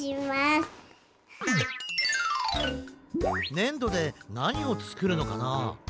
ねんどでなにをつくるのかな？